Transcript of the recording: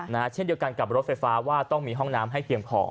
เช่นเดียวกันกับรถไฟฟ้าว่าต้องมีห้องน้ำให้เพียงพอ